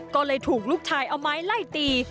ก็เลยถูกลูกชายเอาไม้ไล่ตี